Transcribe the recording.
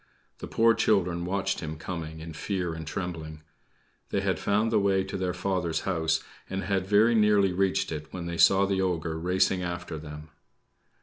The poor children watched him coming in fear and trembling. They had found the way to their father's home, and had very nearly reached it when they saw the ogre racing after them.